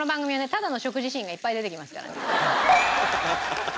ただの食事シーンがいっぱい出てきますから。